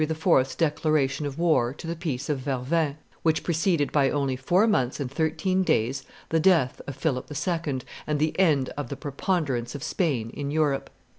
's declaration of war to the peace of Vervins, which preceded by only four months and thirteen days the death of Philip II. and the end of the preponderance of Spain in Europe.